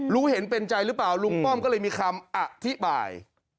รู้เห็นเป็นใจหรือเปล่าลุงป้อมก็เลยมีคำอธิบาย